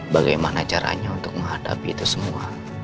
bagaimana caranya untuk menghadapi itu semua